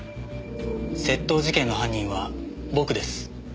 窃盗事件の犯人は僕です。